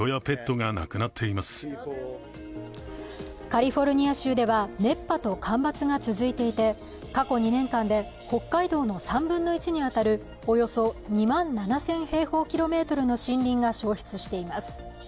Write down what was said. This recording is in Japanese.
カリフォルニア州では熱波と干ばつが続いていて、過去２年間で北海道の３分の１に当たるおよそ２万７０００平方キロメートルの森林が焼失しています。